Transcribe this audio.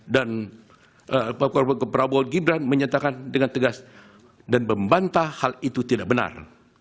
dan prabowo gibran menyatakan dengan tegas dan membantah hal itu tidak benar